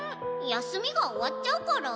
休みが終わっちゃうから。